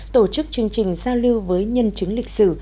tổ chức chương trình giao lưu với nhân chứng lịch sử